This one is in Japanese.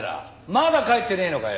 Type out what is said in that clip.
まだ帰ってねえのかよ。